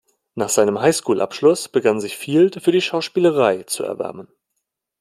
Nach seinem High School-Abschluss begann sich Field für die Schauspielerei zu erwärmen.